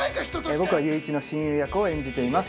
僕は裕一の親友役を演じています。